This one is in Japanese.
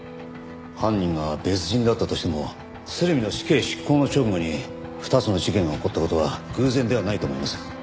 犯人が別人だったとしても鶴見の死刑執行の直後に２つの事件が起こった事は偶然ではないと思います。